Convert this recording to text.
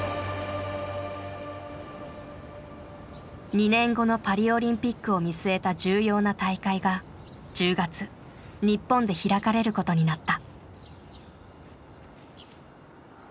２年後のパリオリンピックを見据えた重要な大会が１０月日本で開かれることになった。